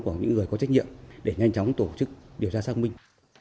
của những người có trách nhiệm để nhanh chóng tổ chức điều tra xác minh